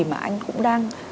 mà anh cũng đang